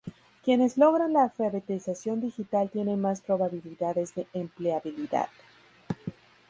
Quienes logran la alfabetización digital tienen más probabilidades de empleabilidad.